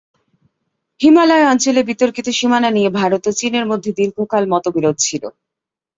হিমালয় অঞ্চলে বিতর্কিত সীমানা নিয়ে ভারত ও চীনের মধ্যে দীর্ঘকাল মতবিরোধ ছিল।